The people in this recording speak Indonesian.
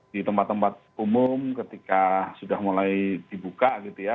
di tempat tempat umum ketika sudah mulai dibuka gitu ya